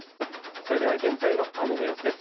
それでは現在の雨の様子です。